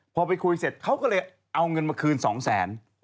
พอไปคุยเสร็จเขาก็เลยเอาเงินมาคืน๒แสน